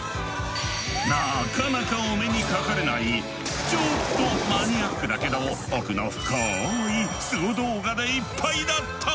なかなかお目にかかれないちょっとマニアックだけど奥の深いスゴ動画でいっぱいだった！